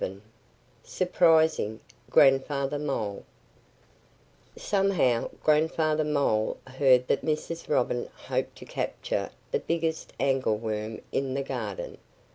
XI SURPRISING GRANDFATHER MOLE SOMEHOW Grandfather Mole heard that Mrs. Robin hoped to capture the biggest angleworm in the garden.